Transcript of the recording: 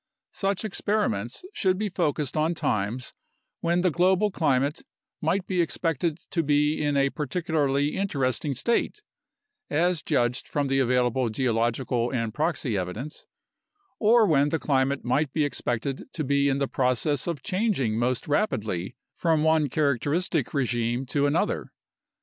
Such experiments should be focused on times when the global climate might be expected to be in a particularly interesting state (as judged from the available geological and proxy evidence) or when the climate might be expected to be in the process of changing most rapidly from one characteristic regime to another.